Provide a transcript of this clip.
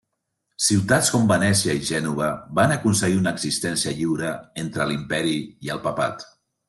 Ciutats com Venècia i Gènova, van aconseguir una existència lliure entre l'imperi i el papat.